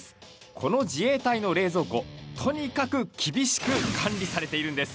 この自衛隊の冷蔵庫、とにかく厳しく管理されているんです。